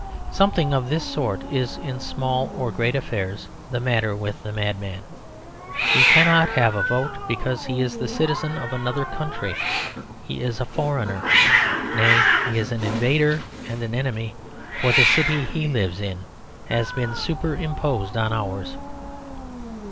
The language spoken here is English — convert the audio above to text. Something of this sort is in small or great affairs the matter with the madman. He cannot have a vote, because he is the citizen of another country. He is a foreigner. Nay, he is an invader and an enemy; for the city he lives in has been super imposed on ours.